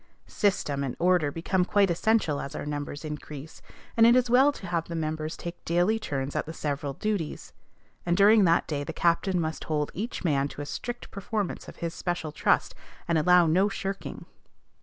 System and order become quite essential as our numbers increase, and it is well to have the members take daily turns at the several duties; and during that day the captain must hold each man to a strict performance of his special trust, and allow no shirking.